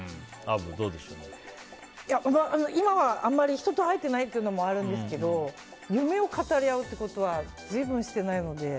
今はあんまり人と会えてないというのもあるんですけど夢を語り合うということは随分してないので。